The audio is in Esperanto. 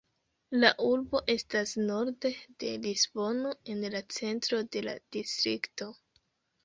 La urbo estas norde de Lisbono, en la centro de la distrikto.